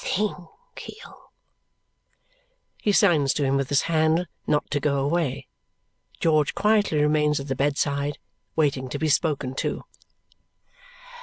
Thank you." He signs to him with his hand not to go away. George quietly remains at the bedside, waiting to be spoken to.